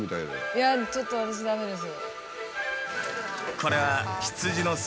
いやちょっと私駄目です。